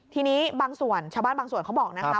ทีนี้บางส่วนชาวบ้านบางส่วนเขาบอกนะคะ